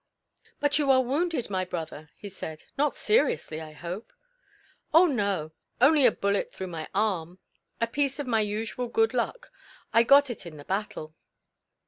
"But you are wounded, my brother," he said. "Not seriously, I hope?" "Oh no! Only a bullet through my arm. A piece of my usual good luck. I got it in The Battle."